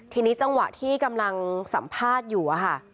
ทีนี้จังหวะที่กำลังสัมภาษณ์อยู่อะค่ะ